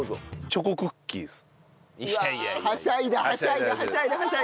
チョコクッキーです。